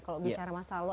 kalau bicara masa lalu